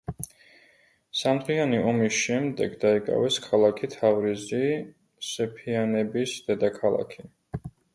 სამდღიანი ომის შემდეგ დაიკავეს ქალაქი თავრიზი, სეფიანების დედაქალაქი.